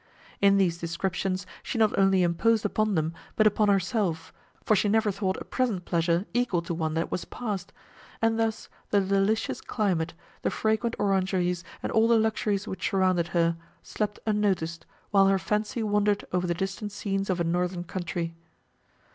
In these descriptions she not only imposed upon them, but upon herself, for she never thought a present pleasure equal to one, that was passed; and thus the delicious climate, the fragrant orangeries and all the luxuries, which surrounded her, slept unnoticed, while her fancy wandered over the distant scenes of a northern country.